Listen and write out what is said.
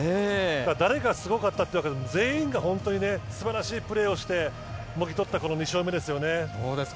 誰がすごかったというか全員が本当に素晴らしいプレーをしてもぎ取った２勝目ですね。